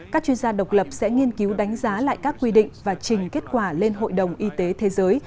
các chuyên gia độc lập sẽ nghiên cứu đánh giá lại các quy định và trình kết quả lên hội đồng y tế thế giới